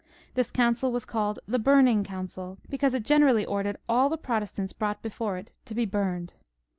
This council was called the Burning Council, because it generally ordered aU the Protestants brought before it to be burned.